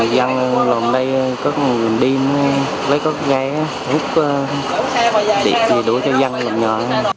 dân lòng đây có một đêm lấy có cái gai hút đi đuổi cho dân lòng nhỏ